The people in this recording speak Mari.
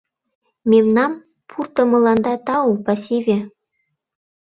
Мемнам пуртымыланда тау-пасиве